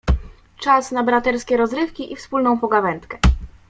"Czas na braterskie rozrywki i wspólną pogawędkę."